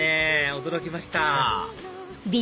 驚きました